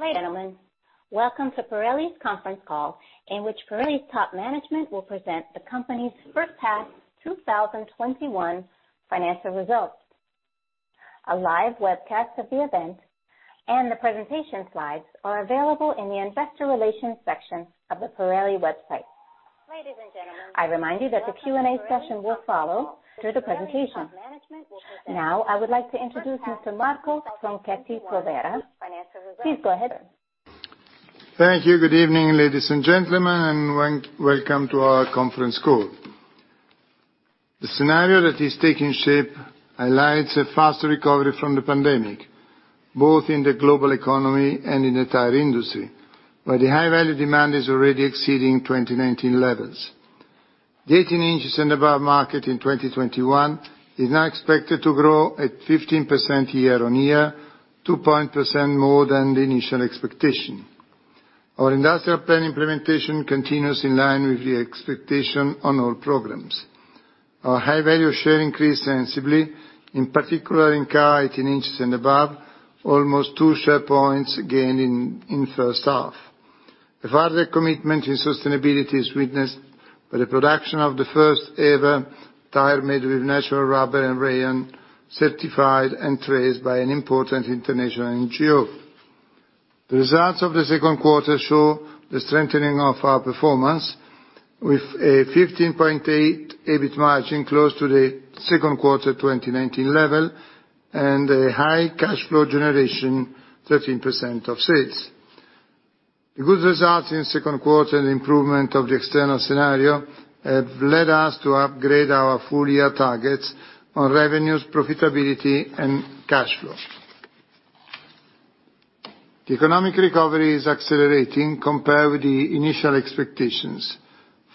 Ladies and gentlemen, welcome to Pirelli's conference call, in which Pirelli's top management will present the company's first half 2021 financial results. A live webcast of the event and the presentation slides are available in the investor relations section of the Pirelli website. Ladies and gentlemen, I remind you that the Q&A session will follow through the presentation. Now, I would like to introduce Mr. Marco Tronchetti Provera. Please go ahead. Thank you. Good evening, ladies and gentlemen, and welcome to our conference call. The scenario that is taking shape highlights a faster recovery from the pandemic, both in the global economy and in the tire industry, where the High-Value demand is already exceeding 2019 levels. The 18-inch and above market in 2021 is now expected to grow at 15% year-on-year, 2 percentage points more than the initial expectation. Our industrial plan implementation continues in line with the expectation on all programs. Our High-Value share increased sensibly, in particular in car, 18-inch and above, almost 2 share points gained in first half. A further commitment in sustainability is witnessed by the production of the first ever tire made with natural rubber and rayon, certified and traced by an important international NGO. The results of the second quarter show the strengthening of our performance with a 15.8% EBIT margin, close to the second quarter 2019 level, and a high cash flow generation, 13% of sales. The good results in second quarter and improvement of the external scenario have led us to upgrade our full year targets on revenues, profitability, and cash flow. The economic recovery is accelerating compared with the initial expectations,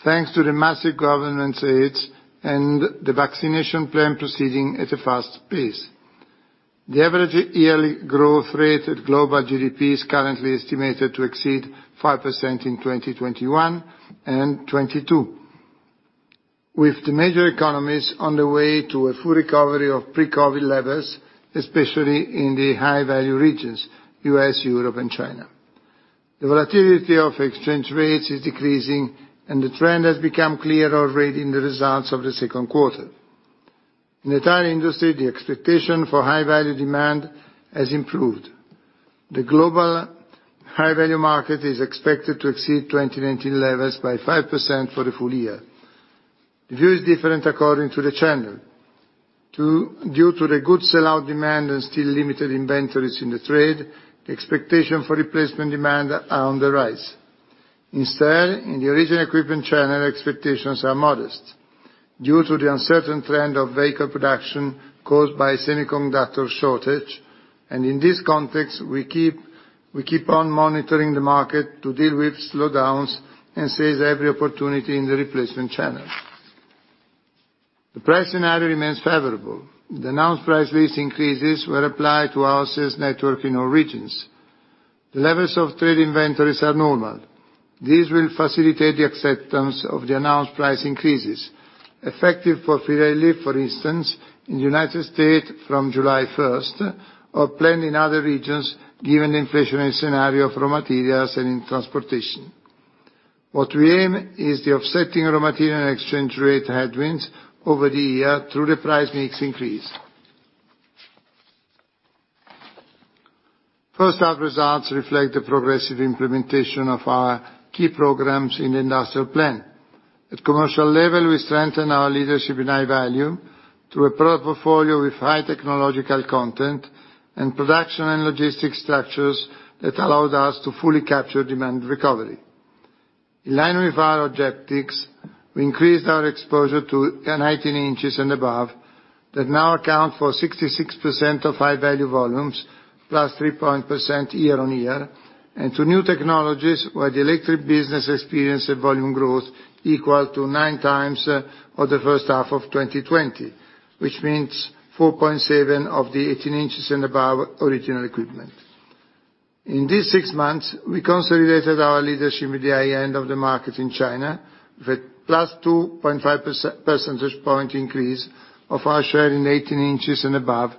thanks to the massive government aids and the vaccination plan proceeding at a fast pace. The average yearly growth rate at global GDP is currently estimated to exceed 5% in 2021 and 2022, with the major economies on the way to a full recovery of pre-COVID levels, especially in the High-Value regions, U.S., Europe, and China. The volatility of exchange rates is decreasing, and the trend has become clearer already in the results of the second quarter. In the tire industry, the expectation for High-Value demand has improved. The global High-Value market is expected to exceed 2019 levels by 5% for the full year. The view is different according to the channel. Due to the good sell-out demand and still limited inventories in the trade, the expectation for replacement demand are on the rise. Instead, in the original equipment channel, expectations are modest due to the uncertain trend of vehicle production caused by semiconductor shortage. And in this context, we keep on monitoring the market to deal with slowdowns and seize every opportunity in the replacement channel. The price scenario remains favorable. The announced price increases were applied to our sales network in all regions. The levels of trade inventories are normal. These will facilitate the acceptance of the announced price increases, effective for Pirelli, for instance, in the United States from July 1st, or planned in other regions, given the inflationary scenario of raw materials and in transportation. What we aim is the offsetting raw material and exchange rate headwinds over the year through the price mix increase. First half results reflect the progressive implementation of our key programs in the industrial plan. At commercial level, we strengthen our leadership in High Value through a product portfolio with high technological content and production and logistics structures that allowed us to fully capture demand recovery. In line with our objectives, we increased our exposure to 19-inch and above, that now account for 66% of High-Value volumes, +3% year-on-year, and to new technologies, where the electric business experienced a volume growth equal to 9x of the first half of 2020, which means 4.7% of the 18-inch and above original equipment. In these six months, we consolidated our leadership at the high end of the market in China, with a +2.5 percentage point increase of our share in 18-inch and above,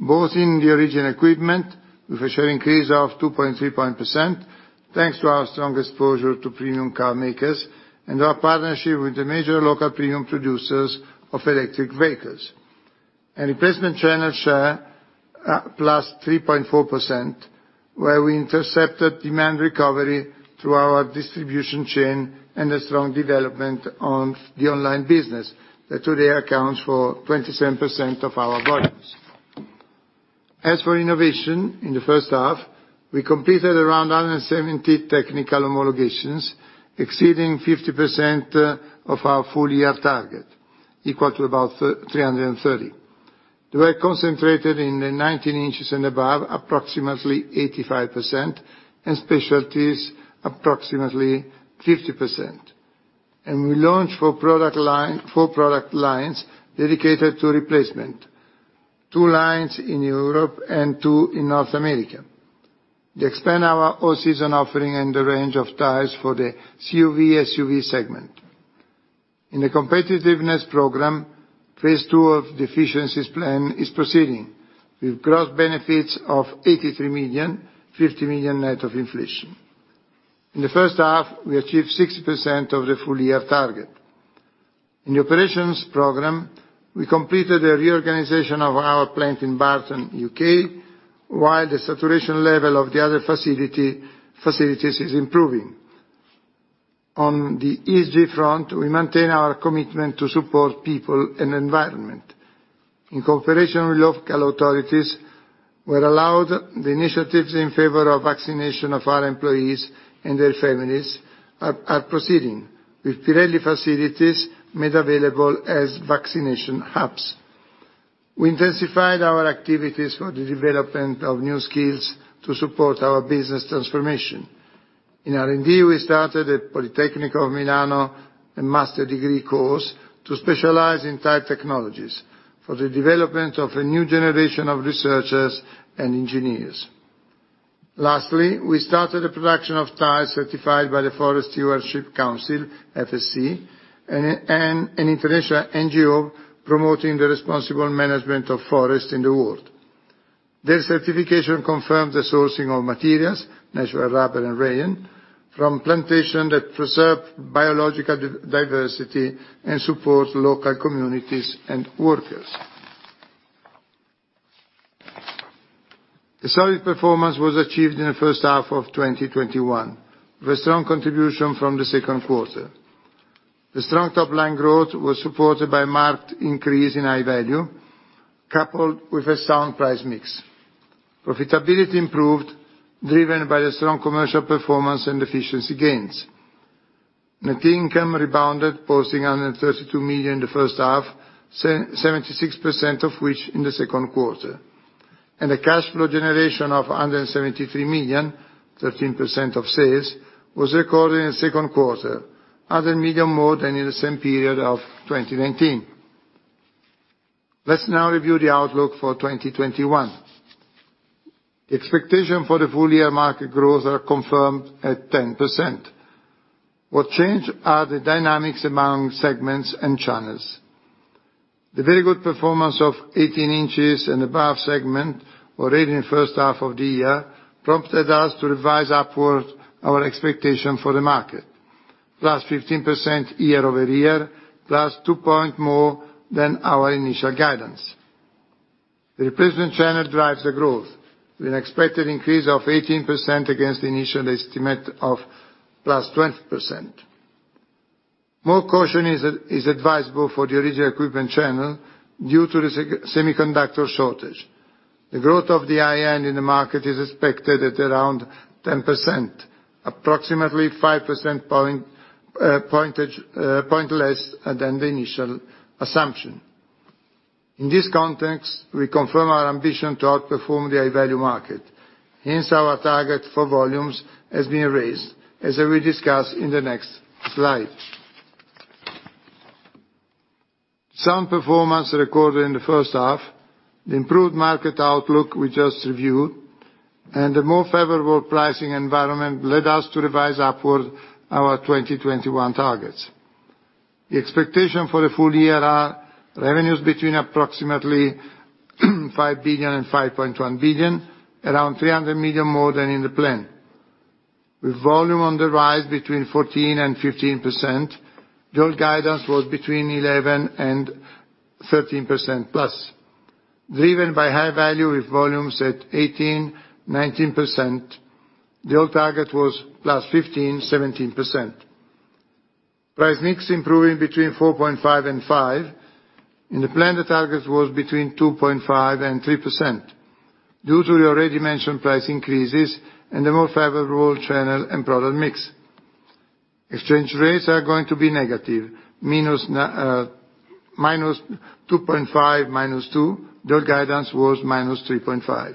both in the original equipment, with a share increase of 2.3%, thanks to our strong exposure to premium car makers and our partnership with the major local premium producers of electric vehicles. Replacement channel share, +3.4%, where we intercepted demand recovery through our distribution chain and a strong development on the online business, that today accounts for 27% of our volumes. As for innovation, in the first half, we completed around 170 technical homologations, exceeding 50% of our full year target, equal to about 330. They were concentrated in the 19-inch and above, approximately 85%, and Specialties, approximately 50%. We launched four product lines dedicated to replacement, two lines in Europe and two in North America. They expand our all-season offering and the range of tires for the CUV, SUV segment. In the Competitiveness Program, phase two of the efficiencies plan is proceeding, with gross benefits of 83 million, 50 million net of inflation. In the first half, we achieved 60% of the full year target. In the operations program, we completed a reorganization of our plant in Burton, U.K., while the saturation level of the other facilities is improving. On the ESG front, we maintain our commitment to support people and environment. In cooperation with local authorities, where allowed, the initiatives in favor of vaccination of our employees and their families are proceeding, with Pirelli facilities made available as vaccination hubs. We intensified our activities for the development of new skills to support our business transformation. In R&D, we started at Politecnico Milano, a master degree course to specialize in tire technologies for the development of a new generation of researchers and engineers. Lastly, we started the production of tires certified by the Forest Stewardship Council, FSC, and an international NGO promoting the responsible management of forests in the world. Their certification confirms the sourcing of materials, natural rubber and rayon, from plantations that preserve biological diversity and support local communities and workers. A solid performance was achieved in the first half of 2021, with strong contribution from the second quarter. The strong top line growth was supported by a marked increase in high value, coupled with a sound price mix. Profitability improved, driven by the strong commercial performance and efficiency gains. Net income rebounded, posting over 32 million in the first half, 76% of which in the second quarter. The cash flow generation of over 73 million, 13% of sales, was recorded in the second quarter, over a million more than in the same period of 2019. Let's now review the outlook for 2021. The expectation for the full year market growth are confirmed at 10%. What changed are the dynamics among segments and channels. The very good performance of 18-inch and above segment, already in the first half of the year, prompted us to revise upward our expectation for the market, +15% year-over-year, +2 points more than our initial guidance. The replacement channel drives the growth, with an expected increase of 18% against the initial estimate of +20%. More caution is advisable for the original equipment channel, due to the semiconductor shortage. The growth of the high-end in the market is expected at around 10%, approximately 5 percentage points less than the initial assumption. In this context, we confirm our ambition to outperform the High-Value market. Hence, our target for volumes has been raised, as I will discuss in the next slide. Some performance recorded in the first half, the improved market outlook we just reviewed, and the more favorable pricing environment led us to revise upward our 2021 targets. The expectation for the full year are: revenues between approximately 5 billion and 5.1 billion, around 300 million more than in the plan. With volume on the rise between 14% and 15%, the old guidance was between 11% and 13%+. Driven by high value, with volumes at 18%-19%, the old target was +15%-17%. Price mix improving between 4.5% and 5%. In the plan, the target was between 2.5% and 3%, due to the already mentioned price increases and the more favorable channel and product mix. Exchange rates are going to be negative, -2.5%, -2%. The guidance was -3.5%.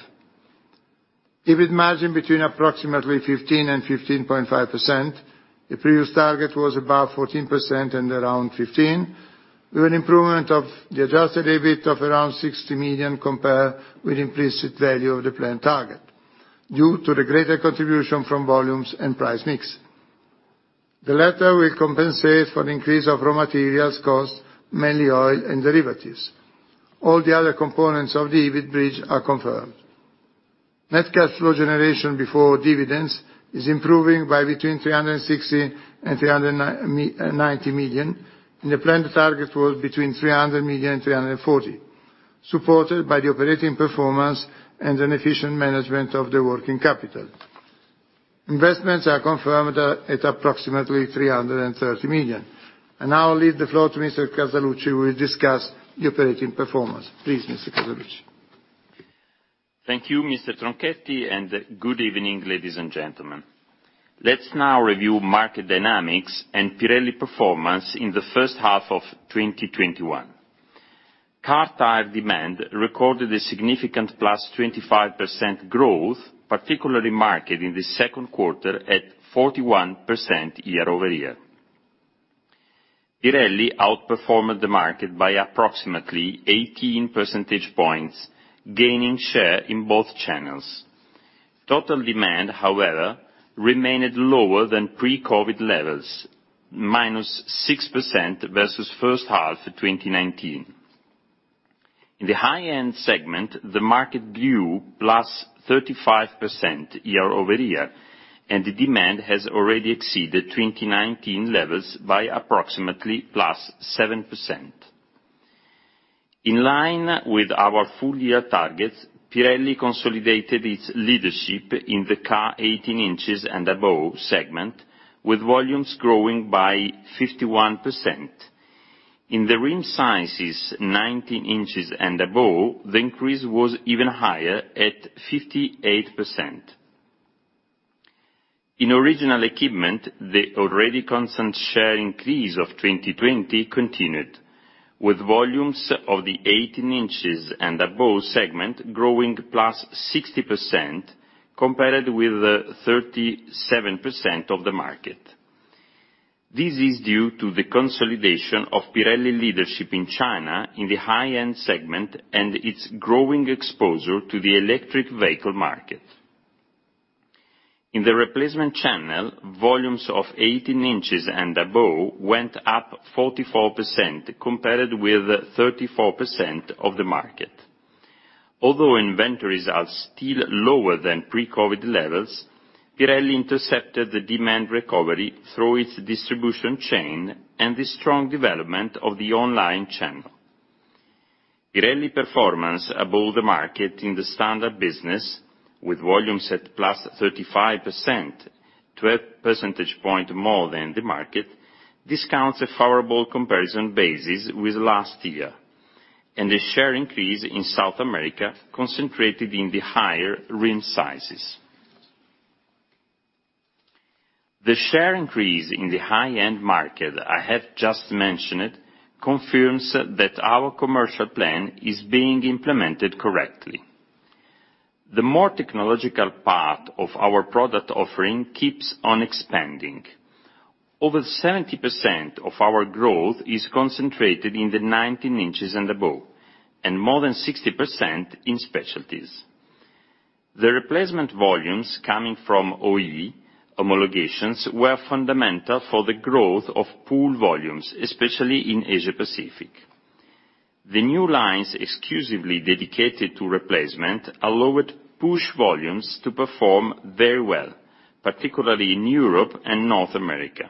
EBIT margin between approximately 15% and 15.5%. The previous target was above 14% and around 15%, with an improvement of the adjusted EBIT of around 60 million, compared with implicit value of the planned target, due to the greater contribution from volumes and price mix. The latter will compensate for the increase of raw materials costs, mainly oil and derivatives. All the other components of the EBIT bridge are confirmed. Net cash flow generation before dividends is improving by between 360 million and 390 million, and the planned target was between 300 million and 340 million, supported by the operating performance and an efficient management of the working capital. Investments are confirmed at approximately 330 million. I now leave the floor to Mr. Casaluci, who will discuss the operating performance. Please, Mr. Casaluci. Thank you, Mr. Tronchetti, and good evening, ladies and gentlemen. Let's now review market dynamics and Pirelli performance in the first half of 2021. Car tire demand recorded a significant +25% growth, particularly marked in the second quarter at 41% year-over-year. Pirelli outperformed the market by approximately 18 percentage points, gaining share in both channels. Total demand, however, remained lower than pre-COVID levels, -6% versus first half of 2019. In the high-end segment, the market grew -35% year-over-year, and the demand has already exceeded 2019 levels by approximately +7%. In line with our full year targets, Pirelli consolidated its leadership in the car 18-inch and above segment, with volumes growing by 51%. In the rim sizes 19-inch and above, the increase was even higher at 58%. In original equipment, the already constant share increase of 2020 continued, with volumes of the 18-inch and above segment growing +60%, compared with 37% of the market. This is due to the consolidation of Pirelli leadership in China, in the high-end segment, and its growing exposure to the electric vehicle market. In the replacement channel, volumes of 18-inch and above went up 44%, compared with 34% of the market. Although inventories are still lower than pre-COVID levels, Pirelli intercepted the demand recovery through its distribution chain and the strong development of the online channel. Pirelli performance above the market in the Standard business, with volumes at +35%, 12 percentage point more than the market, discounts a favorable comparison basis with last year, and a share increase in South America, concentrated in the higher rim sizes. The share increase in the high-end market I have just mentioned confirms that our commercial plan is being implemented correctly. The more technological part of our product offering keeps on expanding. Over 70% of our growth is concentrated in the 19-inch and above, and more than 60% in Specialties. The replacement volumes coming from OE homologations were fundamental for the growth of pull volumes, especially in Asia Pacific. The new lines exclusively dedicated to replacement allowed push volumes to perform very well, particularly in Europe and North America.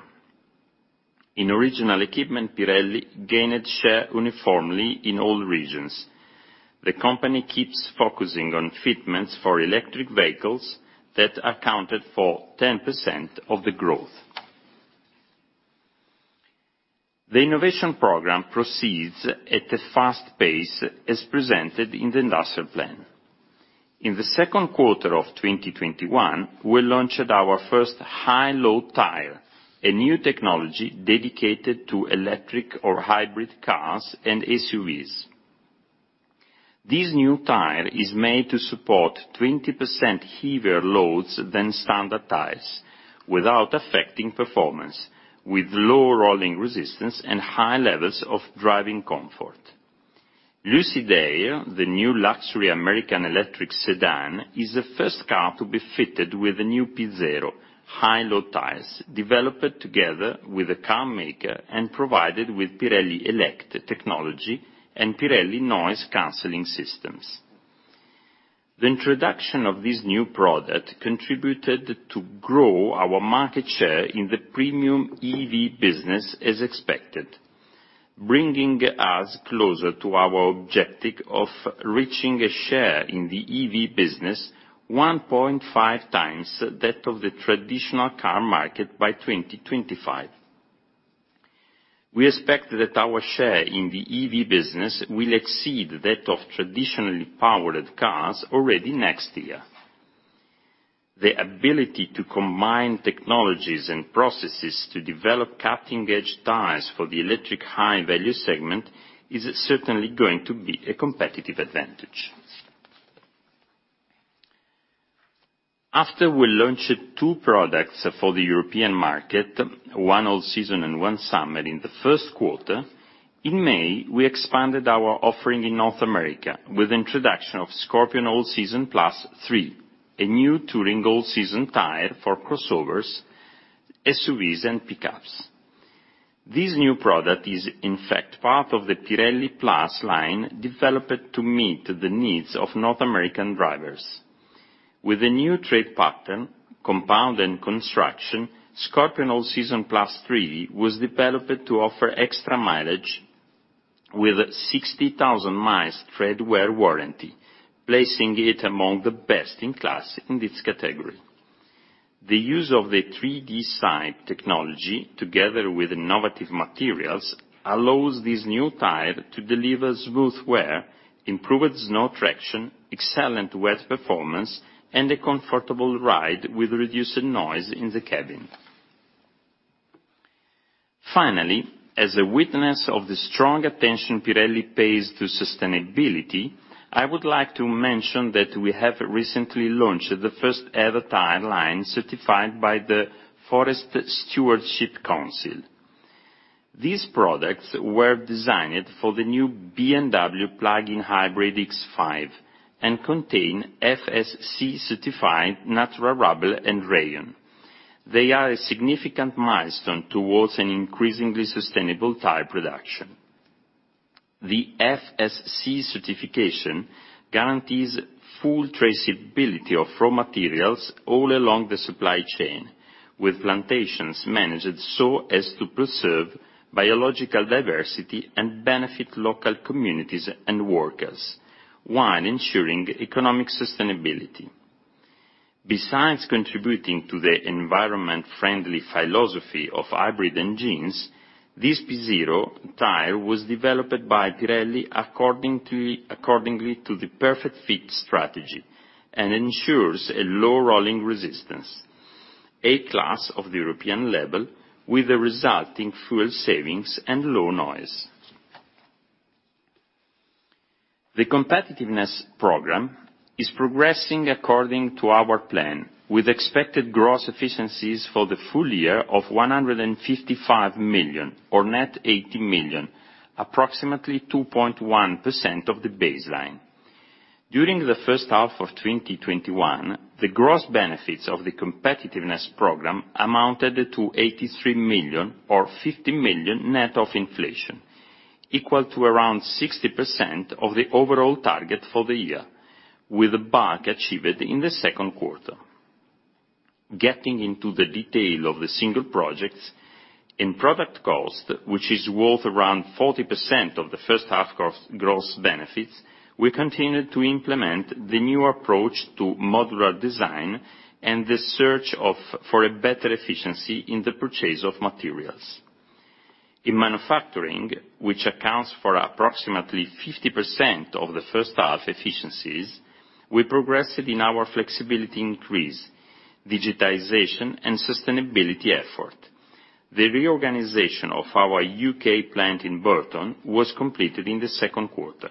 In original equipment, Pirelli gained share uniformly in all regions. The company keeps focusing on fitments for electric vehicles that accounted for 10% of the growth. The innovation program proceeds at a fast pace, as presented in the industrial plan. In the second quarter of 2021, we launched our first High Load tire, a new technology dedicated to electric or hybrid cars and SUVs. This new tire is made to support 20% heavier loads than Standard tires, without affecting performance, with low rolling resistance and high levels of driving comfort. Lucid Air, the new luxury American electric sedan, is the first car to be fitted with the new P Zero High Load tires, developed together with the car maker and provided with Pirelli ELECT technology and Pirelli noise-canceling systems. The introduction of this new product contributed to grow our market share in the premium EV business as expected, bringing us closer to our objective of reaching a share in the EV business 1.5x that of the traditional car market by 2025. We expect that our share in the EV business will exceed that of traditionally powered cars already next year. The ability to combine technologies and processes to develop cutting-edge tires for the electric High-Value segment is certainly going to be a competitive advantage. After we launched two products for the European market, one all-season and one summer in the first quarter, in May, we expanded our offering in North America with introduction of Scorpion All Season Plus 3, a new touring all-season tire for crossovers, SUVs, and pickups. This new product is, in fact, part of the Pirelli Plus line, developed to meet the needs of North American drivers. With a new tread pattern, compound, and construction, Scorpion All Season Plus 3 was developed to offer extra mileage with 60,000 miles treadwear warranty, placing it among the best-in-class in its category. The use of the 3D Sipe Technology, together with innovative materials, allows this new tire to deliver smooth wear, improved snow traction, excellent wet performance, and a comfortable ride with reduced noise in the cabin. Finally, as a witness of the strong attention Pirelli pays to sustainability, I would like to mention that we have recently launched the first ever tire line certified by the Forest Stewardship Council. These products were designed for the new BMW plug-in hybrid X5, and contain FSC certified natural rubber and rayon. They are a significant milestone towards an increasingly sustainable tire production. The FSC certification guarantees full traceability of raw materials all along the supply chain, with plantations managed so as to preserve biological diversity and benefit local communities and workers, while ensuring economic sustainability. Besides contributing to the environment-friendly philosophy of hybrid engines, this P Zero tire was developed by Pirelli according to the Perfect Fit strategy, and ensures a low rolling resistance, A class of the European label, with the resulting fuel savings and low noise. The Competitiveness Program is progressing according to our plan, with expected gross efficiencies for the full year of 155 million, or net 80 million, approximately 2.1% of the baseline. During the first half of 2021, the gross benefits of the Competitiveness Program amounted to 83 million or 50 million net of inflation, equal to around 60% of the overall target for the year, with a bulk achieved in the second quarter. Getting into the detail of the single projects, in product cost, which is worth around 40% of the first half gross benefits, we continued to implement the new approach to modular design and the search of, for a better efficiency in the purchase of materials. In manufacturing, which accounts for approximately 50% of the first half efficiencies, we progressed in our flexibility increase, digitization, and sustainability effort. The reorganization of our U.K. plant in Burton was completed in the second quarter.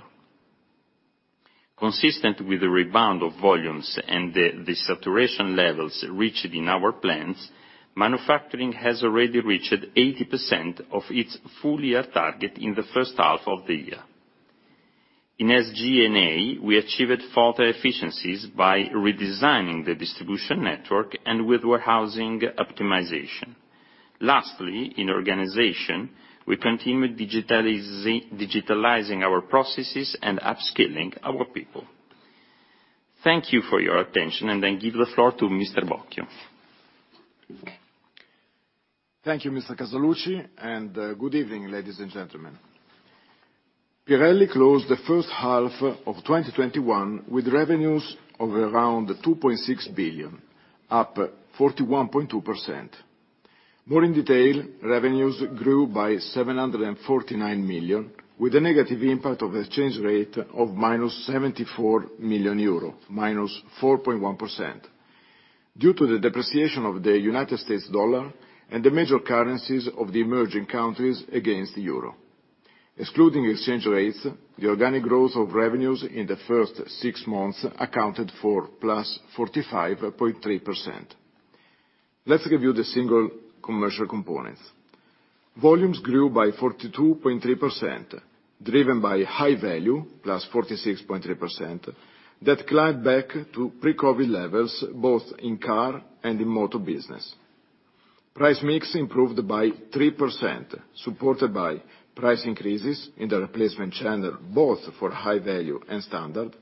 Consistent with the rebound of volumes and the saturation levels reached in our plants, manufacturing has already reached 80% of its full year target in the first half of the year. In SG&A, we achieved further efficiencies by redesigning the distribution network and with warehousing optimization. Lastly, in organization, we continued digitalizing our processes and upskilling our people. Thank you for your attention, and I give the floor to Mr. Bocchio. Thank you, Mr. Casaluci, and good evening, ladies and gentlemen. Pirelli closed the first half of 2021 with revenues of around 2.6 billion, up 41.2%. More in detail, revenues grew by 749 million, with a negative impact of exchange rate of -74 million euro, -4.1%, due to the depreciation of the United States dollar and the major currencies of the emerging countries against the euro. Excluding exchange rates, the organic growth of revenues in the first six months accounted for +45.3%. Let's review the single commercial components. Volumes grew by 42.3%, driven by High Value, +46.3%, that climbed back to pre-COVID levels, both in Car and in Moto business. Price mix improved by 3%, supported by price increases in the Replacement Channel, both for High Value and Standard,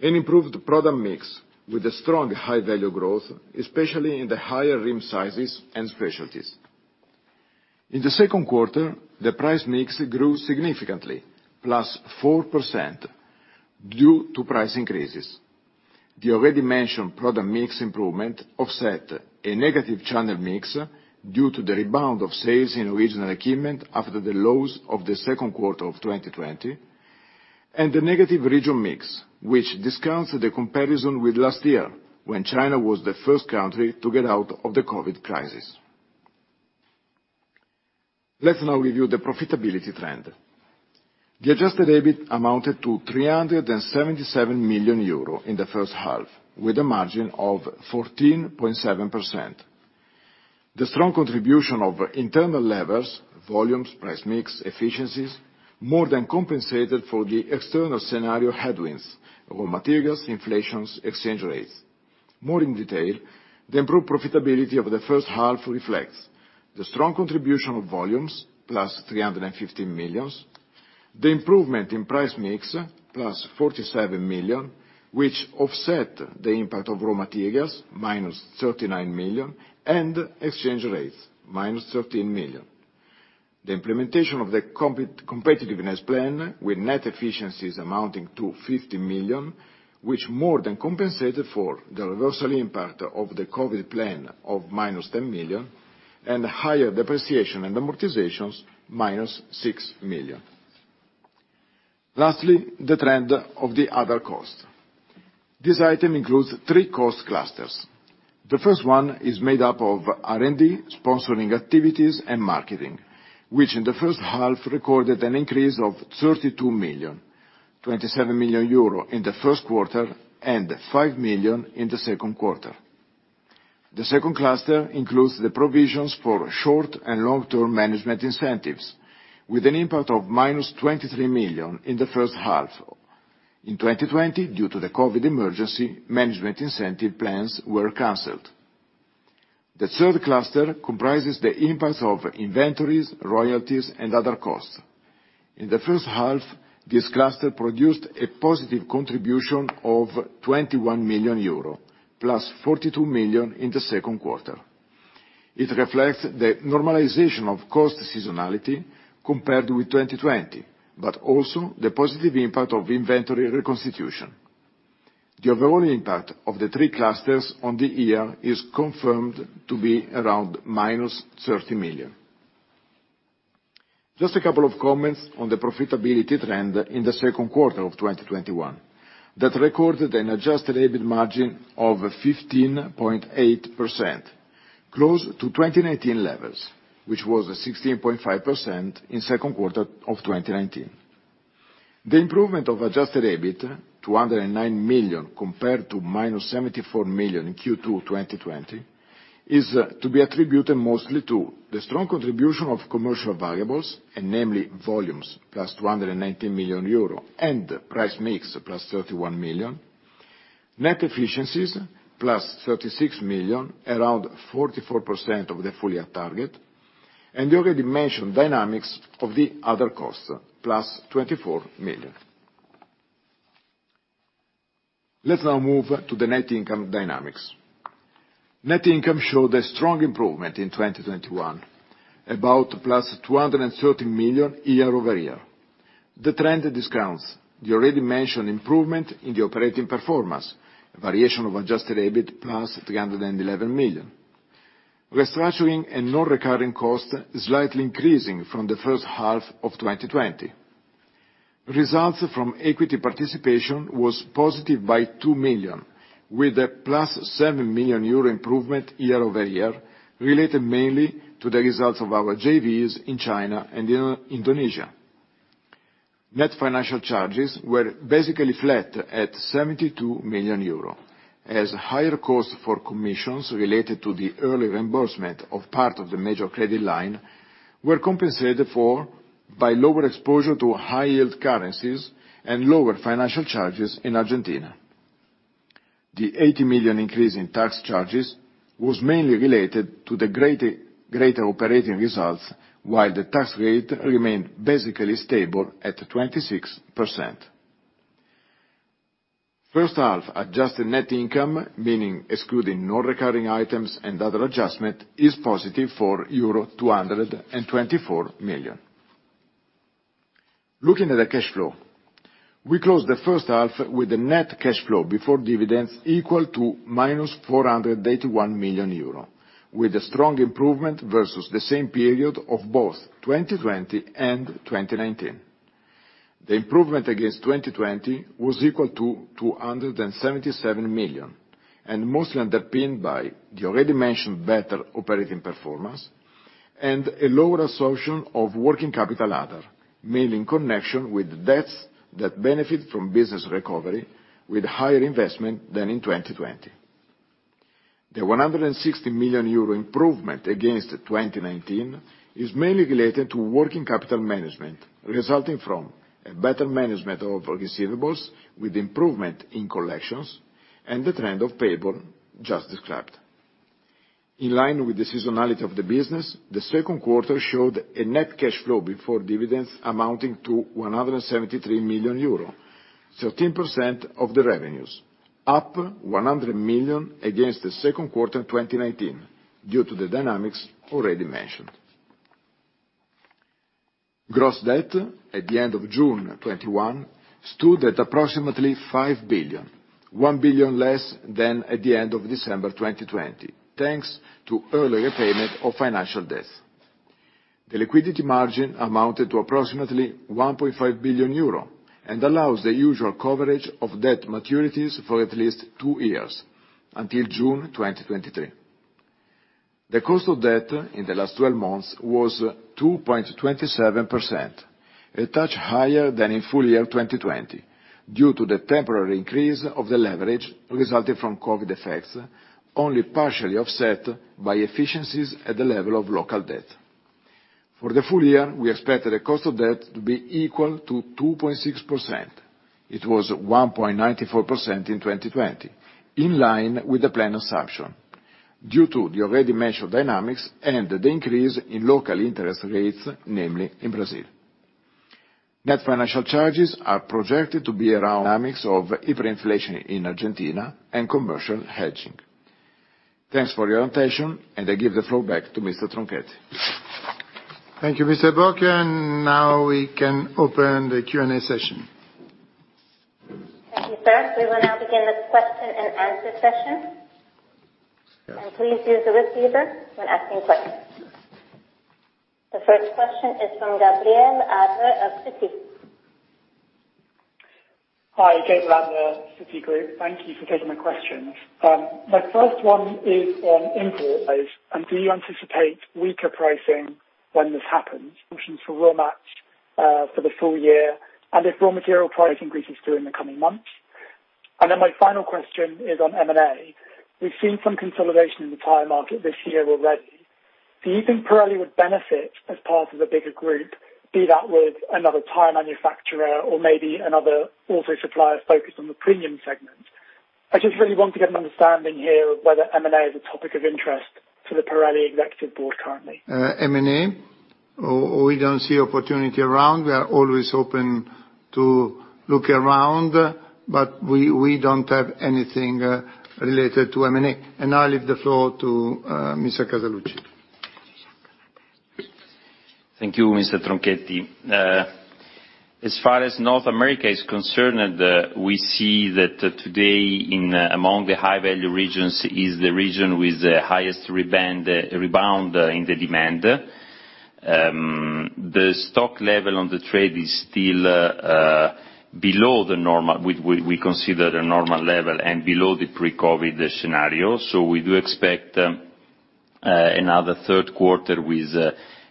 and improved product mix with a strong High Value growth, especially in the higher rim sizes and Specialties. In the second quarter, the price mix grew significantly, +4%, due to price increases. The already mentioned product mix improvement offset a negative channel mix, due to the rebound of sales in original equipment after the lows of the second quarter of 2020, and the negative region mix, which discounts the comparison with last year, when China was the first country to get out of the COVID crisis. Let's now review the profitability trend. The adjusted EBIT amounted to 377 million euro in the first half, with a margin of 14.7%. The strong contribution of internal levers, volumes, price mix, efficiencies, more than compensated for the external scenario headwinds, raw materials, inflations, exchange rates. More in detail, the improved profitability of the first half reflects: the strong contribution of volumes, +350 million; the improvement in price mix, +47 million, which offset the impact of raw materials, -39 million; and exchange rates, -13 million. The implementation of the competitiveness plan, with net efficiencies amounting to 50 million, which more than compensated for the reversal impact of the COVID plan of minus 10 million, and higher depreciation and amortizations, -6 million. Lastly, the trend of the other costs. This item includes three cost clusters. The first one is made up of R&D, sponsoring activities, and marketing, which in the first half recorded an increase of 32 million, 27 million euro in the first quarter, and 5 million in the second quarter. The second cluster includes the provisions for short and long-term management incentives, with an impact of -23 million in the first half. In 2020, due to the COVID emergency, management incentive plans were canceled. The third cluster comprises the impact of inventories, royalties, and other costs. In the first half, this cluster produced a positive contribution of 21 million euro, plus 42 million in the second quarter. It reflects the normalization of cost seasonality compared with 2020, but also the positive impact of inventory reconstitution. The overall impact of the three clusters on the year is confirmed to be around -30 million. Just a couple of comments on the profitability trend in the second quarter of 2021, that recorded an adjusted EBIT margin of 15.8%, close to 2019 levels, which was 16.5% in second quarter of 2019. The improvement of adjusted EBIT to 9 million compared to -74 million in Q2 2020, is to be attributed mostly to the strong contribution of commercial variables, and namely, volumes, +219 million euro, and price mix +31 million, net efficiencies +36 million, around 44% of the full year target, and the already mentioned dynamics of the other costs, +24 million. Let's now move to the net income dynamics. Net income showed a strong improvement in 2021, about +213 million year-over-year. The trend discounts the already mentioned improvement in the operating performance, variation of adjusted EBIT +311 million. Restructuring and non-recurring costs slightly increasing from the first half of 2020. Results from equity participation was positive by 2 million, with a +7 million euro improvement year-over-year, related mainly to the results of our JVs in China and in Indonesia. Net financial charges were basically flat at 72 million euro, as higher costs for commissions related to the early reimbursement of part of the major credit line were compensated for by lower exposure to high-yield currencies and lower financial charges in Argentina. The 80 million increase in tax charges was mainly related to the greater operating results, while the tax rate remained basically stable at 26%. First-half adjusted net income, meaning excluding non-recurring items and other adjustments, is positive for euro 224 million. Looking at the cash flow, we closed the first half with a net cash flow before dividends equal to -481 million euro, with a strong improvement versus the same period of both 2020 and 2019. The improvement against 2020 was equal to 277 million, and mostly underpinned by the already mentioned better operating performance and a lower absorption of working capital, the latter mainly in connection with debts that benefit from business recovery with higher investment than in 2020. The 160 million euro improvement against 2019 is mainly related to working capital management, resulting from a better management of receivables, with improvement in collections and the trend of payables just described. In line with the seasonality of the business, the second quarter showed a net cash flow before dividends amounting to 173 million euro, 13% of the revenues, up 100 million against the second quarter in 2019 due to the dynamics already mentioned. Gross debt at the end of June 2021 stood at approximately 5 billion, 1 billion less than at the end of December 2020, thanks to early repayment of financial debts. The liquidity margin amounted to approximately 1.5 billion euro, and allows the usual coverage of debt maturities for at least two years, until June 2023. The cost of debt in the last 12 months was 2.27%, a touch higher than in full year 2020, due to the temporary increase of the leverage resulting from COVID effects, only partially offset by efficiencies at the level of local debt. For the full year, we expect the cost of debt to be equal to 2.6%. It was 1.94% in 2020, in line with the plan assumption, due to the already measured dynamics and the increase in local interest rates, namely in Brazil. Net financial charges are projected to be around dynamics of hyperinflation in Argentina and commercial hedging. Thanks for your attention, and I give the floor back to Mr. Tronchetti. Thank you, Mr. Bocchio, and now we can open the Q&A session. Thank you, sir. We will now begin the question and answer session, and please use the receiver when asking questions. The first question is from Gabriel Adler of Citi. Hi, Gabriel Adler, Citigroup. Thank you for taking my questions. My first one is on input costs, and do you anticipate weaker pricing when this happens? Inflation for raw materials for the full year, and if raw material price increases pass through in the coming months? And then my final question is on M&A. We've seen some consolidation in the tire market this year already. Do you think Pirelli would benefit as part of a bigger group, be that with another tire manufacturer or maybe another auto supplier focused on the premium segment? I just really want to get an understanding here of whether M&A is a topic of interest to the Pirelli executive board currently. M&A, we don't see opportunity around. We are always open to look around, but we don't have anything related to M&A. And now I leave the floor to Mr. Casaluci. Thank you, Mr. Tronchetti. As far as North America is concerned, we see that today in, among the high value regions, is the region with the highest rebound in the demand. The stock level on the trade is still below the normal level we consider and below the pre-COVID scenario. So we do expect another third quarter with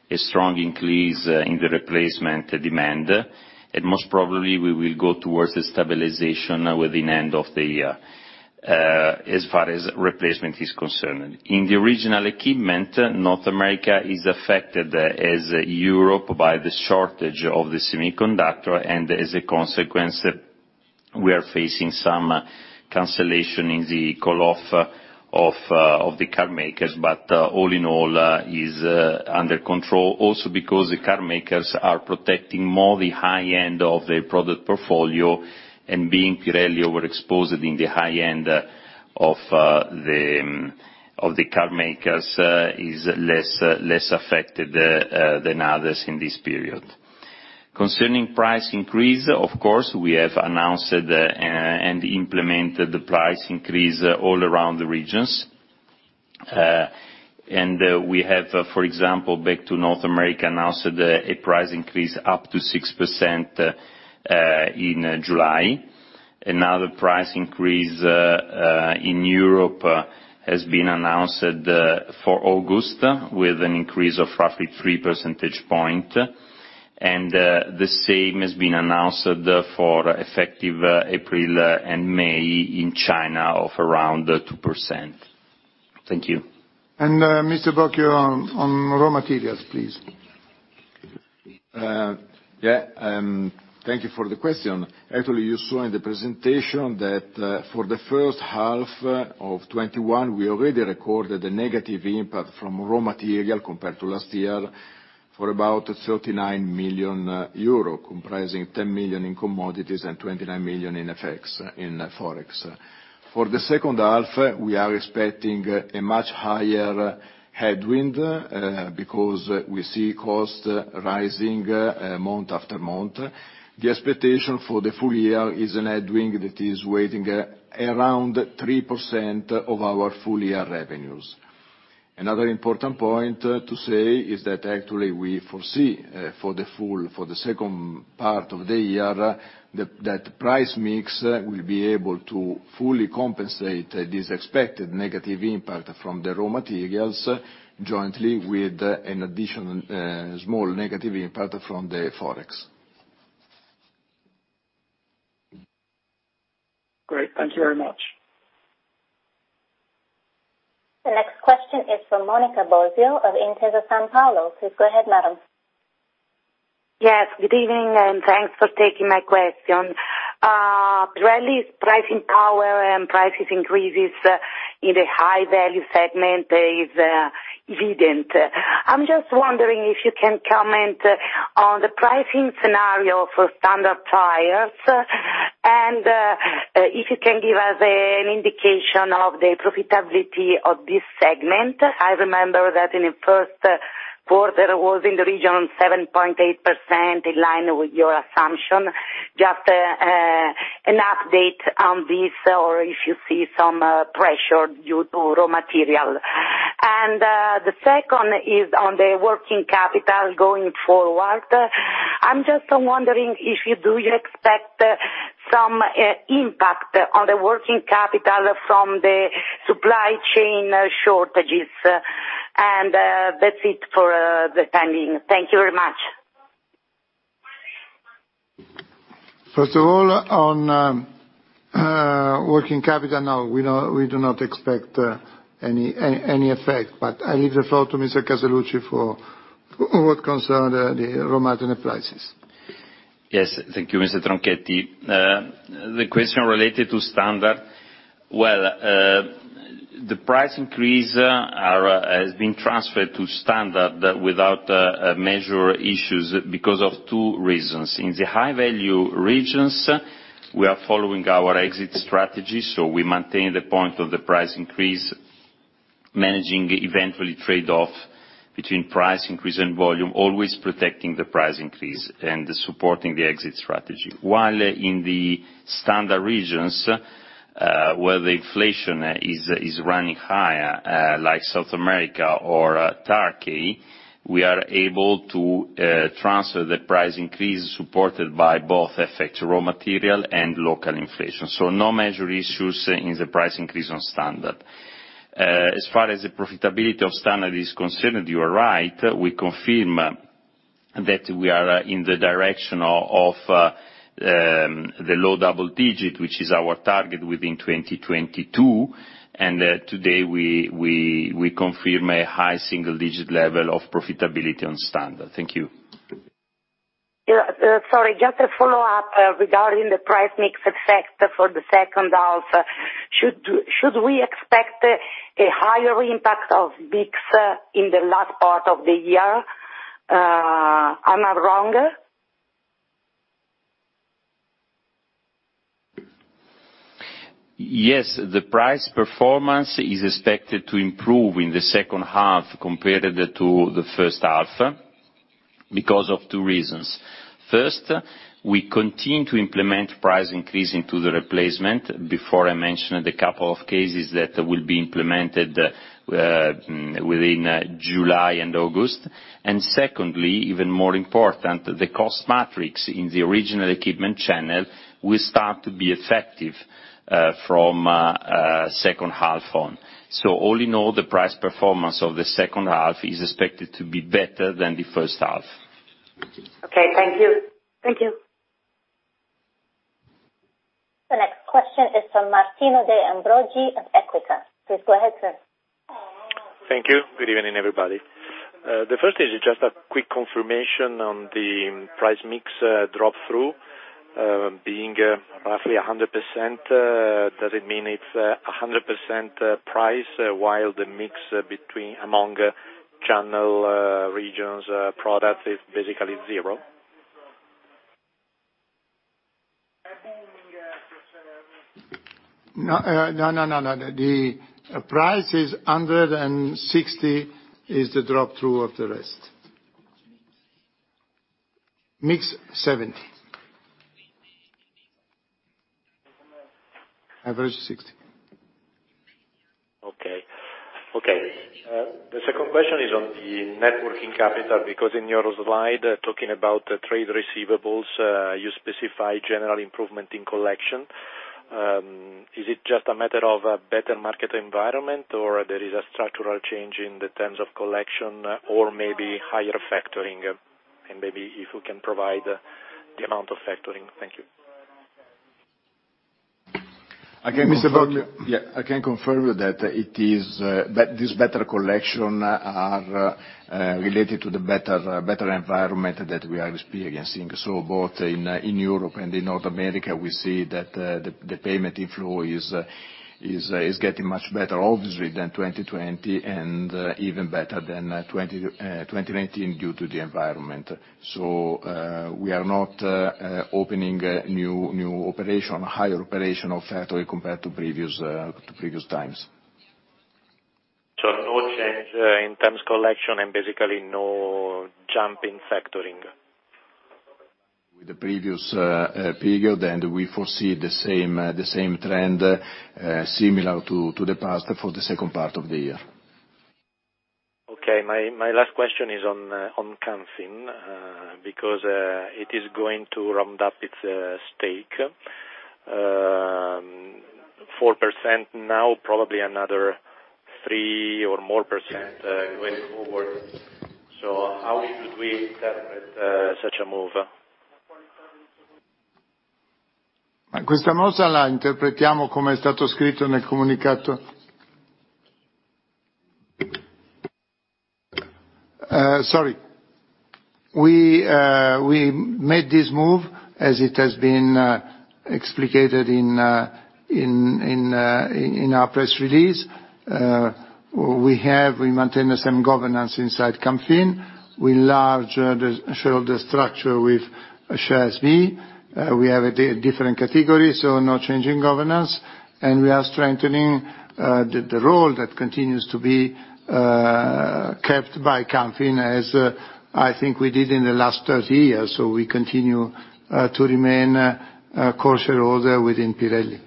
a strong increase in the replacement demand. And most probably we will go towards a stabilization within end of the year, as far as replacement is concerned. In the original equipment, North America is affected as Europe by the shortage of the semiconductor, and as a consequence, we are facing some cancellation in the call off of the car makers. But all in all, is under control. Also, because the car makers are protecting more the high end of their product portfolio, and being Pirelli overexposed in the high end of the car makers, is less affected than others in this period. Concerning price increase, of course, we have announced and implemented the price increase all around the regions. And we have, for example, back to North America, announced a price increase up to 6% in July. Another price increase in Europe has been announced for August, with an increase of roughly 3 percentage points. And the same has been announced for effective April and May in China of around 2%. Thank you. Mr. Bocchio, on raw materials, please. Yeah, thank you for the question. Actually, you saw in the presentation that, for the first half of 2021, we already recorded a negative impact from raw material compared to last year, for about 39 million euro, comprising 10 million in commodities and 29 million in FX, in Forex. For the second half, we are expecting a much higher headwind, because we see costs rising, month after month. The expectation for the full year is a headwind that is weighing, around 3% of our full year revenues. Another important point to say is that actually we foresee, for the full, for the second part of the year, that, that price mix will be able to fully compensate this expected negative impact from the raw materials, jointly with an additional, small negative impact from the Forex. Great, thank you very much. The next question is from Monica Bosio of Intesa Sanpaolo. Please go ahead, madam. Yes, good evening, and thanks for taking my question. Pirelli's pricing power and prices increases in the high value segment is evident. I'm just wondering if you can comment on the pricing scenario for Standard tires, and if you can give us an indication of the profitability of this segment. I remember that in the first quarter, it was in the region 7.8%, in line with your assumption. Just an update on this, or if you see some pressure due to raw material. And the second is on the working capital going forward. I'm just wondering if you do expect some impact on the working capital from the supply chain shortages. And that's it for the time being. Thank you very much. First of all, on working capital, no, we do not expect any effect, but I leave the floor to Mr. Casaluci for what concern the raw material prices. Yes. Thank you, Mr. Tronchetti. The question related to Standard. Well, the price increase are, has been transferred to Standard without major issues because of two reasons. In the High Value regions, we are following our exit strategy, so we maintain the point of the price increase, managing eventually trade-off between price increase and volume, always protecting the price increase and supporting the exit strategy. While in the Standard regions, where the inflation is running higher, like South America or Turkey, we are able to transfer the price increase supported by both effect raw material and local inflation. So no major issues in the price increase on Standard. As far as the profitability of Standard is concerned, you are right. We confirm that we are in the direction of the low double digit, which is our target within 2022, and today we confirm a high single digit level of profitability on Standard. Thank you. Yeah, sorry, just a follow-up regarding the price mix effect for the second half. Should we expect a higher impact of mix in the last part of the year? Am I wrong? Yes, the price performance is expected to improve in the second half compared to the first half, because of two reasons: First, we continue to implement price increase into the replacement. Before, I mentioned a couple of cases that will be implemented within July and August. And secondly, even more important, the cost matrix in the original equipment channel will start to be effective from second half on. So all in all, the price performance of the second half is expected to be better than the first half. Okay. Thank you. Thank you. The next question is from Martino De Ambroggi of Equita. Please go ahead, sir. Thank you. Good evening, everybody. The first is just a quick confirmation on the price mix drop-through being roughly 100%, does it mean it's 100% price, while the mix between, among channel, regions, products is basically zero? No, no, no, no. The price is 160% is the drop-through of the rest. Mix, 70%. Average, 60%. Okay. Okay, the second question is on the net working capital, because in your slide, talking about the trade receivables, you specify general improvement in collection. Is it just a matter of a better market environment, or there is a structural change in the terms of collection, or maybe higher factoring? And maybe if you can provide the amount of factoring. Thank you. I can confirm- Yeah... Yeah, I can confirm you that it is that this better collection are related to the better environment that we are experiencing. So both in Europe and in North America, we see that the payment inflow is getting much better, obviously, than 2020, and even better than 2019 due to the environment. So we are not opening a new operation, higher operation of factory compared to previous times. No change in terms collection and basically no jump in factoring? With the previous period, and we foresee the same trend similar to the past for the second part of the year. Okay. My last question is on Camfin, because it is going to round up its stake 4% now, probably another 3% or more going forward. So how should we interpret such a move? Sorry. We made this move as it has been explicated in our press release. We maintain the same governance inside Camfin. We enlarge the shareholder structure with Class B Shares. We have a different category, so no change in governance, and we are strengthening the role that continues to be kept by Camfin, as I think we did in the last 30 years, so we continue to remain a core shareholder within Pirelli.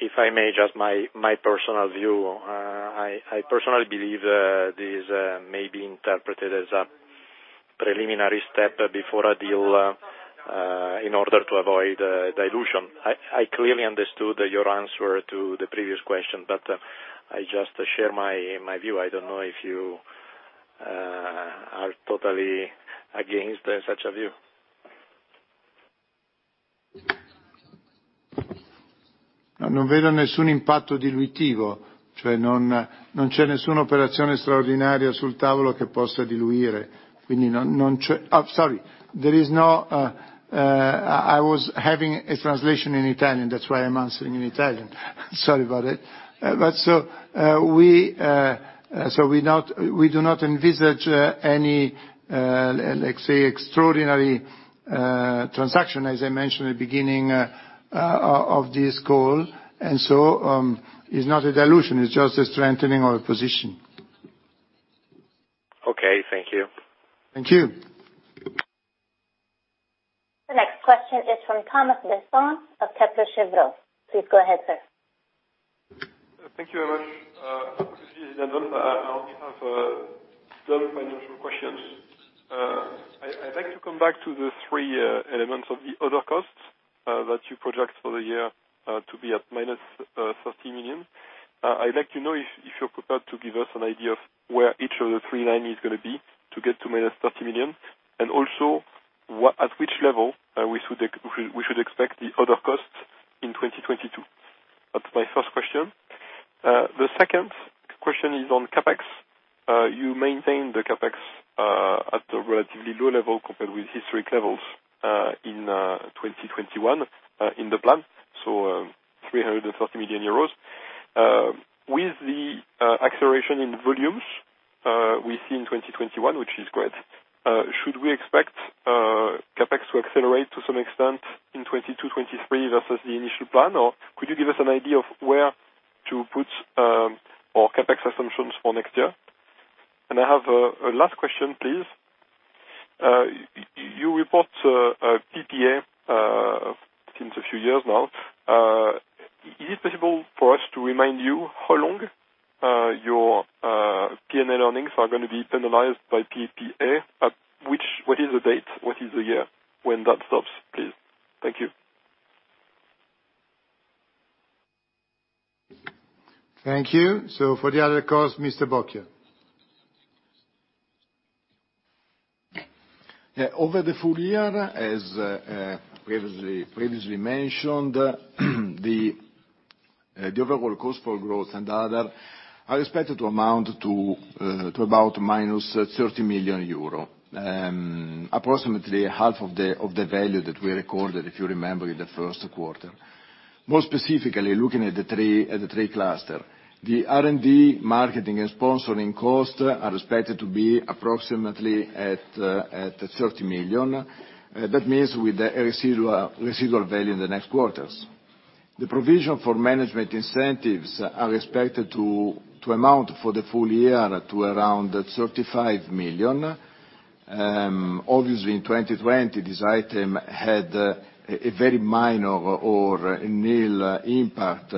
If I may just, my personal view, I personally believe this may be interpreted as a preliminary step before a deal in order to avoid dilution. I clearly understood your answer to the previous question, but I just share my view. I don't know if you are totally against such a view. Sorry, there is no. I was having a translation in Italian, that's why I'm answering in Italian. Sorry about it. But so, we do not envisage any, let's say, extraordinary transaction, as I mentioned at the beginning of this call, and so, it's not a dilution, it's just a strengthening of our position. Okay. Thank you. Thank you. The next question is from Thomas Besson of Kepler Cheuvreux. Please go ahead, sir. Thank you very much. This is Adam. I only have one financial question. I'd like to come back to the three elements of the other costs that you project for the year to be at -30 million. I'd like to know if you're prepared to give us an idea of where each of the three lines is gonna be to get to -30 million, and also at which level we should expect the other costs in 2022? That's my first question. The second question is on CapEx. You maintain the CapEx at a relatively low level compared with historic levels in 2021 in the plan, so 330 million euros. With the acceleration in volumes we see in 2021, which is great, should we expect CapEx to accelerate to some extent in 2022, 2023 versus the initial plan? Or could you give us an idea of where to put our CapEx assumptions for next year? And I have a last question, please. You report a PPA since a few years now. Is it possible for us to remind you how long your P&L earnings are gonna be penalized by PPA? What is the date? What is the year when that stops, please? Thank you. Thank you. So for the other cost, Mr. Bocchio. Yeah, over the full year, as previously mentioned, the overall cost for growth and other are expected to amount to about -30 million euro. Approximately half of the value that we recorded, if you remember, in the first quarter. More specifically, looking at the three clusters, the R&D, marketing, and sponsoring costs are expected to be approximately at 30 million. That means with the residual value in the next quarters. The provision for management incentives are expected to amount for the full year to around 35 million. Obviously, in 2020, this item had a very minor or nil impact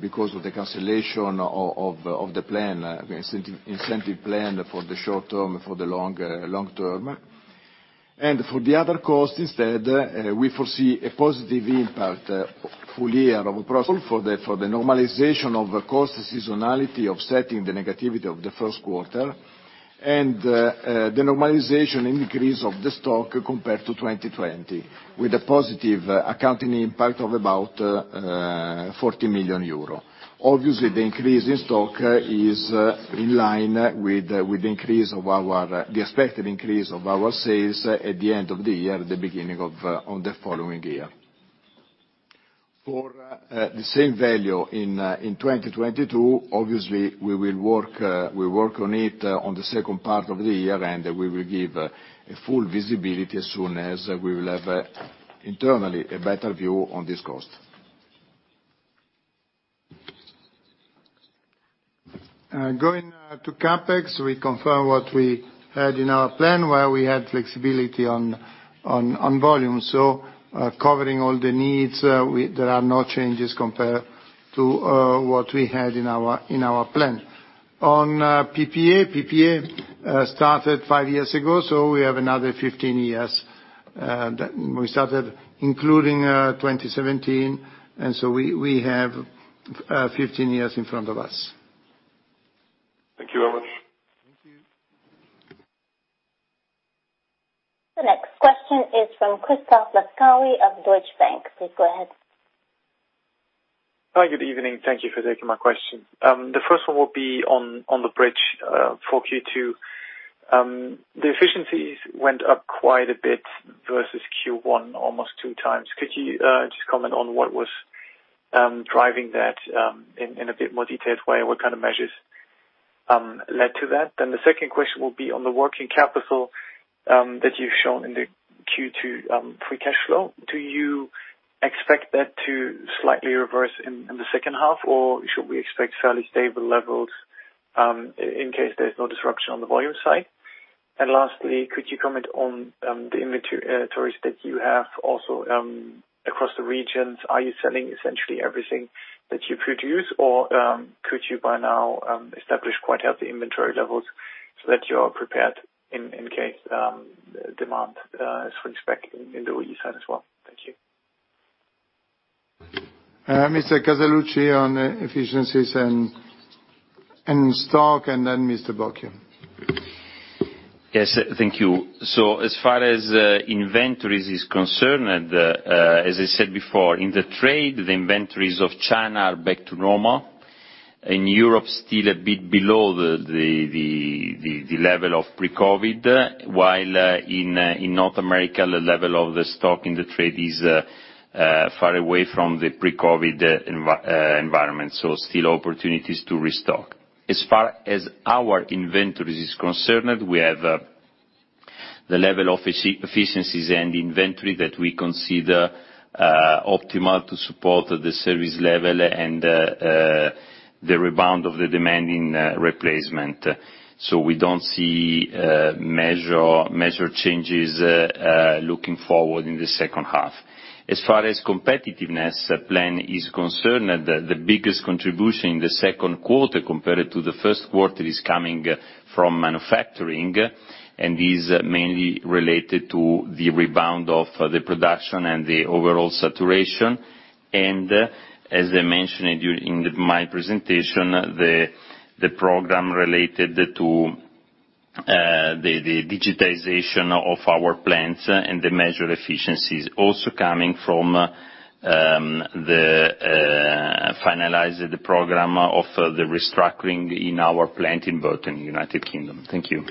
because of the cancellation of the incentive plan for the short term, for the long term. For the other cost instead, we foresee a positive impact full year of a process for the normalization of the cost, the seasonality, offsetting the negativity of the first quarter, and the normalization and decrease of the stock compared to 2020, with a positive accounting impact of about 40 million euro. Obviously, the increase in stock is in line with the expected increase of our sales at the end of the year, the beginning of the following year. For the same value in 2022, obviously, we will work on it on the second part of the year, and we will give a full visibility as soon as we will have, internally, a better view on this cost. Going to CapEx, we confirm what we had in our plan, where we had flexibility on volume, so covering all the needs, there are no changes compared to what we had in our plan. On PPA, started five years ago, so we have another 15 years that we started including 2017, and so we have 15 years in front of us. Thank you very much. Thank you. The next question is from Christoph Laskawi of Deutsche Bank. Please go ahead. Hi, good evening. Thank you for taking my question. The first one will be on the bridge for Q2. The efficiencies went up quite a bit versus Q1, almost 2x. Could you just comment on what was driving that in a bit more detailed way? What kind of measures led to that? Then the second question will be on the working capital that you've shown in the Q2 free cash flow. Do you expect that to slightly reverse in the second half, or should we expect fairly stable levels in case there's no disruption on the volume side? And lastly, could you comment on the inventories that you have also across the regions? Are you selling essentially everything that you produce? Or, could you, by now, establish quite healthy inventory levels so that you are prepared in case demand swings back in the OE side as well? Thank you. Mr. Casaluci, on efficiencies and stock, and then Mr. Bocchio. Yes, thank you. So as far as inventories is concerned, as I said before, in the trade, the inventories of China are back to normal. In Europe, still a bit below the level of pre-COVID, while in North America, the level of the stock in the trade is far away from the pre-COVID environment, so still opportunities to restock. As far as our inventories is concerned, we have the level of efficiencies and inventory that we consider optimal to support the service level and the rebound of the demand in replacement. So we don't see material changes looking forward in the second half. As far as Competitiveness Program is concerned, the biggest contribution in the second quarter compared to the first quarter is coming from manufacturing, and is mainly related to the rebound of the production and the overall saturation. And as I mentioned during in my presentation, the program related to the digitization of our plants and the measure efficiencies also coming from the finalize the program of the restructuring in our plant in Burton, United Kingdom. Thank you.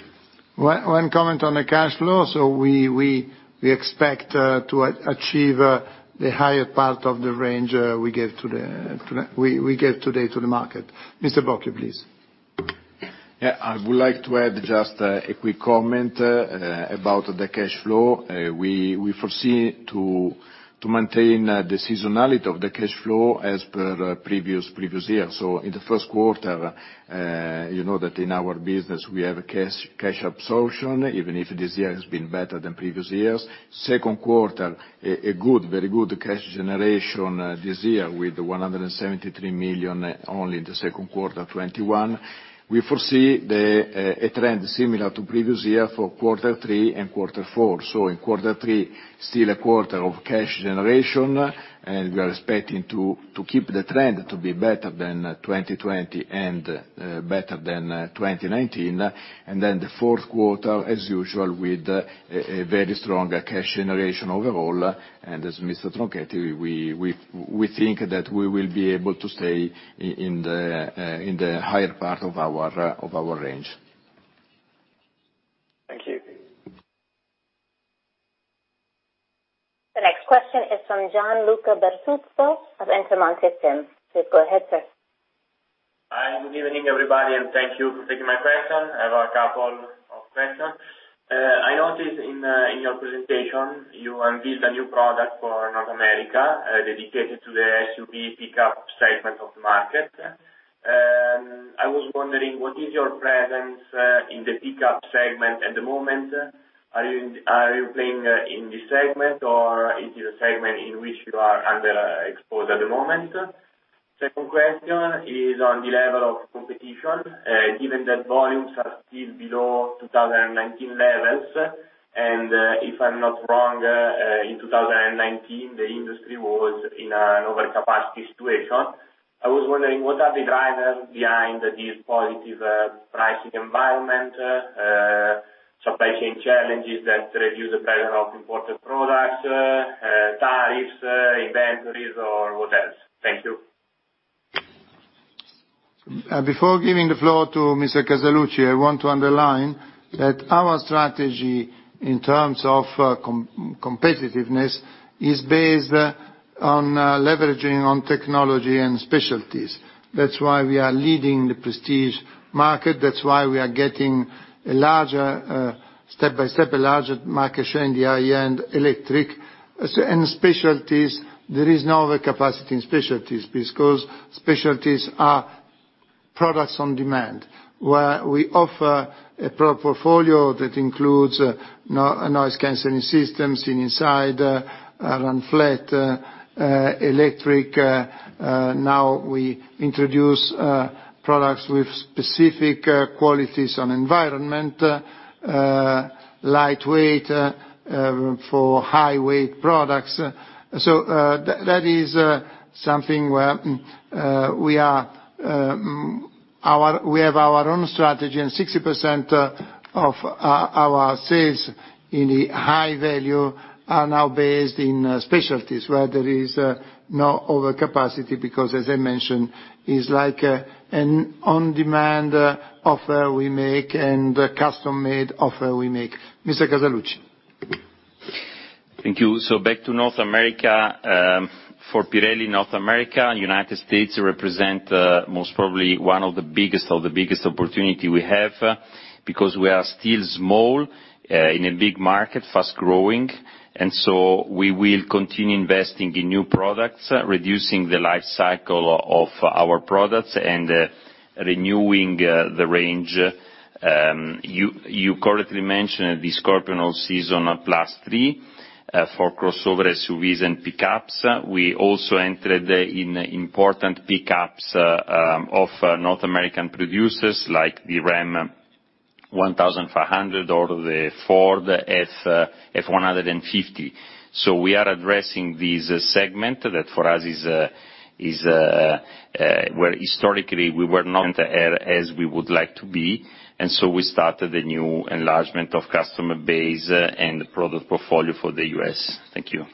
One comment on the cash flow. So we expect to achieve the higher part of the range we gave today to the market. Mr. Bocchio, please. Yeah, I would like to add just a quick comment about the cash flow. We foresee to maintain the seasonality of the cash flow as per previous years. So in the first quarter, you know that in our business, we have a cash absorption, even if this year has been better than previous years. Second quarter, a good, very good cash generation, this year with 173 million only in the second quarter 2021. We foresee a trend similar to previous year for quarter three and quarter four. So in quarter three, still a quarter of cash generation, and we are expecting to keep the trend to be better than 2020 and better than 2019. Then the fourth quarter, as usual, with a very strong cash generation overall. As Mr. Tronchetti, we think that we will be able to stay in the higher part of our range. Thank you. The next question is from Gianluca Bertuzzo of Intermonte SIM. Please go ahead, sir. Hi, good evening, everybody, and thank you for taking my question. I have a couple of question. I noticed in your presentation, you unveiled a new product for North America, dedicated to the SUV pickup segment of the market. I was wondering, what is your presence in the pickup segment at the moment? Are you playing in this segment, or is it a segment in which you are under exposed at the moment? Second question is on the level of competition. Given that volumes are still below 2019 levels, and, if I'm not wrong, in 2019, the industry was in an overcapacity situation. I was wondering, what are the drivers behind this positive pricing environment, supply chain challenges that reduce the presence of imported products, tariffs, inventories, or what else? Thank you. Before giving the floor to Mr. Casaluci, I want to underline that our strategy in terms of competitiveness is based on leveraging on technology and Specialties. That's why we are leading the Prestige market. That's why we are getting a larger step by step a larger market share in the high-end electric. So and Specialties, there is no overcapacity in Specialties, because Specialties are products on demand, where we offer a broad portfolio that includes noise-cancelling systems inside, run flat, electric. Now we introduce products with specific qualities on environment, lightweight for high weight products. That is something where we have our own strategy, and 60% of our sales in the High Value are now based in Specialties, where there is no overcapacity, because as I mentioned, it's like an on-demand offer we make, and a custom-made offer we make. Mr. Casaluci. Thank you. Back to North America. For Pirelli, North America, United States represent most probably one of the biggest of the biggest opportunity we have, because we are still small in a big market, fast growing. And so we will continue investing in new products, reducing the life cycle of our products, and renewing the range. You correctly mentioned the Scorpion All Season Plus 3 for crossover SUVs and pickups. We also entered in important pickups of North American producers, like the Ram 1500 or the Ford F-150. We are addressing this segment that, for us, is where historically we were not as we would like to be, and so we started a new enlargement of customer base and product portfolio for the U.S. Thank you.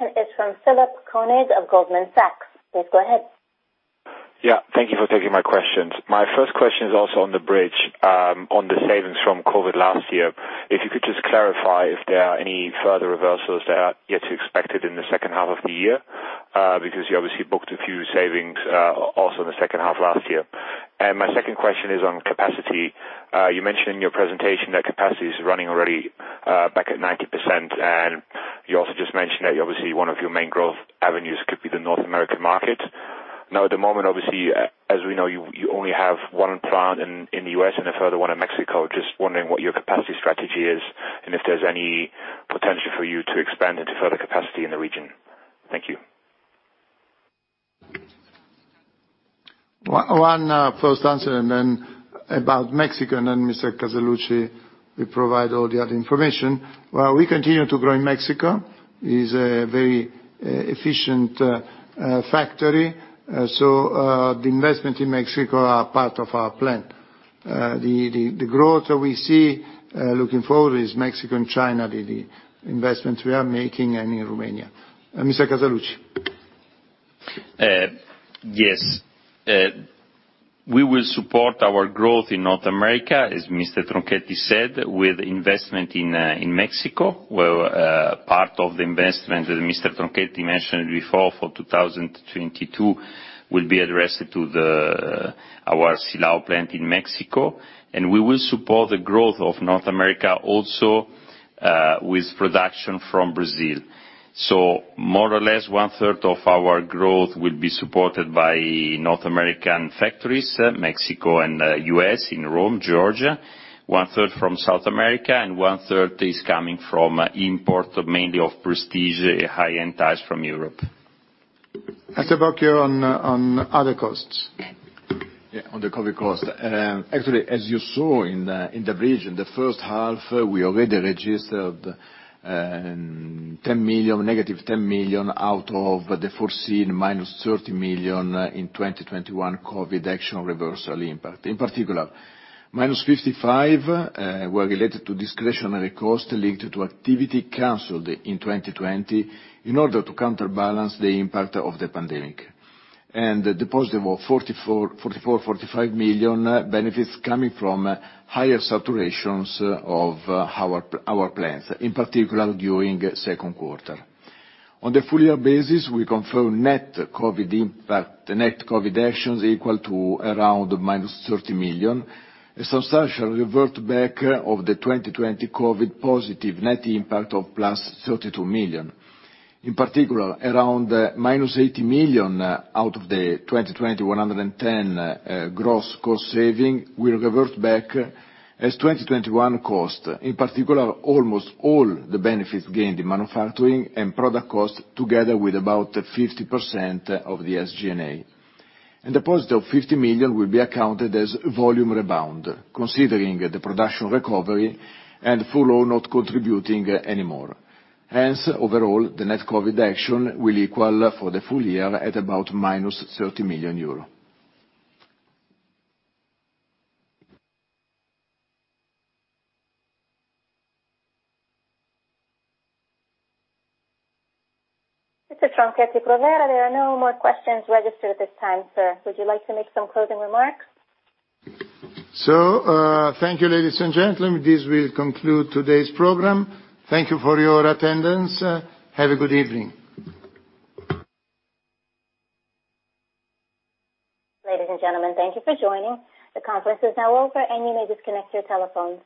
The next question is from Philipp Koenig of Goldman Sachs. Please go ahead. Yeah, thank you for taking my questions. My first question is also on the bridge on the savings from COVID last year. If you could just clarify if there are any further reversals that are yet to expected in the second half of the year, because you obviously booked a few savings also in the second half last year. And my second question is on capacity. You mentioned in your presentation that capacity is running already back at 90%, and you also just mentioned that obviously, one of your main growth avenues could be the North American market. Now, at the moment, obviously, as we know, you only have one plant in the U.S. and a further one in Mexico. Just wondering what your capacity strategy is, and if there's any potential for you to expand into further capacity in the region? Thank you. One, first answer, and then about Mexico, and then Mr. Casaluci will provide all the other information. Well, we continue to grow in Mexico, is a very efficient factory. So, the investment in Mexico are part of our plan. The growth we see, looking forward is Mexico and China, the investments we are making and in Romania. Mr. Casaluci. Yes, we will support our growth in North America, as Mr. Tronchetti said, with investment in Mexico, where part of the investment that Mr. Tronchetti mentioned before, for 2022, will be addressed to our Silao plant in Mexico, and we will support the growth of North America also with production from Brazil. So more or less, 1/3 of our growth will be supported by North American factories, Mexico and U.S., in Rome, Georgia. 1/3 from South America, and 1/3 is coming from import, mainly of Prestige, high-end tires from Europe. Mr. Bocchio, on other costs. Yeah, on the COVID cost. Actually, as you saw in the bridge, in the first half, we already registered -10 million out of the foreseen -30 million in 2021 COVID action reversal impact. In particular, -55 million were related to discretionary costs linked to activity canceled in 2020, in order to counterbalance the impact of the pandemic. And the positive of 45 million benefits coming from higher saturations of our plants, in particular during second quarter. On the full year basis, we confirm net COVID impact, net COVID actions equal to around -30 million, a substantial revert back of the 2020 COVID positive net impact of +32 million. In particular, around -80 million out of the 2021 110 million gross cost saving will revert back as 2021 cost. In particular, almost all the benefits gained in manufacturing and product cost, together with about 50% of the SG&A, and the +50 million will be accounted as volume rebound, considering the production recovery and full or not contributing anymore. Hence, overall, the net COVID action will equal for the full year at about -30 million euro. Mr. Tronchetti Provera, there are no more questions registered at this time, sir. Would you like to make some closing remarks? So, thank you, ladies and gentlemen. This will conclude today's program. Thank you for your attendance. Have a good evening. Ladies and gentlemen, thank you for joining. The conference is now over, and you may disconnect your telephones.